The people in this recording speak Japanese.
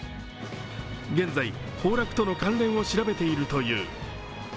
現在、崩落との関連を調べているという。